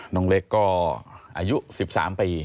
น้องเล็กก็อายุ๑๓ปี